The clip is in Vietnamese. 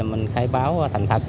mình khai báo thành thật